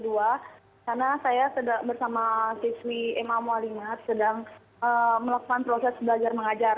karena saya bersama siswi emma mualingat sedang melakukan proses belajar mengajar